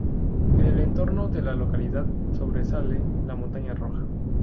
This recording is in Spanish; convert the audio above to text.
En el entorno de la localidad sobresale la Montaña Roja.